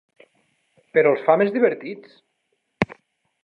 Però els fa més divertits!